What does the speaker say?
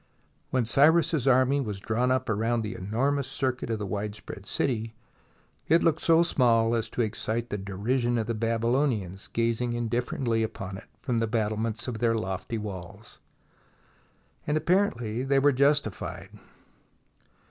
When Cyrus's army was drawn up around the enormous circuit of the widespread city, it looked so small as to excite the derision of the Babyloni THE BOOK OF FAMOUS SIEGES ans, gazing indifferently upon it from the battle ments of their lofty walls. And apparently they were justified.